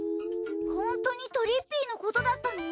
ホントにとりっぴいのことだったの？